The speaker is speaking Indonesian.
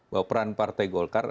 bahwa peran partai golkar